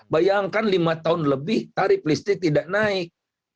bayangkan lima tahun lebih tarif listrik tidak naik